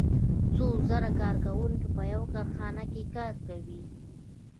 څو زره کارکوونکي په یوه کارخانه کې کار کوي